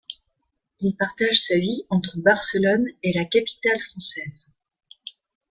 Il partage sa vie entre Barcelone et la capitale française.